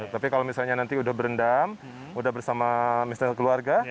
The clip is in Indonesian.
tapi kalau misalnya nanti udah berendam udah bersama misalnya keluarga